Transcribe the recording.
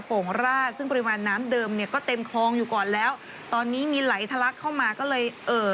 โ่งราดซึ่งปริมาณน้ำเดิมเนี่ยก็เต็มคลองอยู่ก่อนแล้วตอนนี้มีไหลทะลักเข้ามาก็เลยเอ่อ